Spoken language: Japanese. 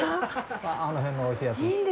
あの辺のおいしいやつ。